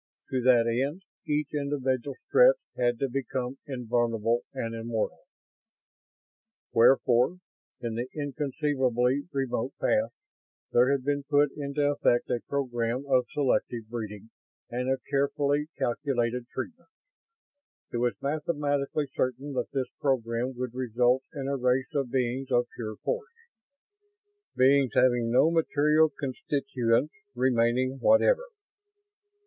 To that end each individual Strett had to become invulnerable and immortal. Wherefore, in the inconceivably remote past, there had been put into effect a program of selective breeding and of carefully calculated treatments. It was mathematically certain that this program would result in a race of beings of pure force beings having no material constituents remaining whatever.